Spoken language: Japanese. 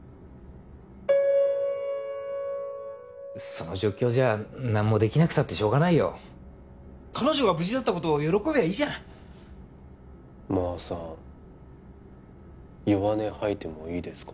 その状況じゃ何もできなくたってしょうがないよ彼女が無事だったことを喜びゃいいじゃんマーさん弱音吐いてもいいですか？